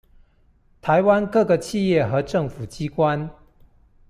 台灣各個企業和政府機關